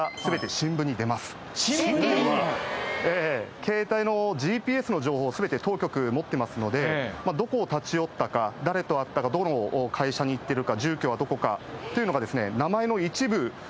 新聞に⁉ケータイのＧＰＳの情報を全て当局持ってますのでどこを立ち寄ったか誰と会ったかどの会社に行ってるか住居はどこかというのがですね。